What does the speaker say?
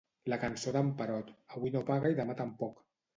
La cançó d'en Perot: avui no paga i demà tampoc.